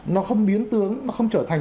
nó không biến tướng nó không trở thành